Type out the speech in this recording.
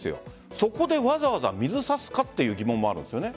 そこでわざわざ水を差すかという疑問もあるんです。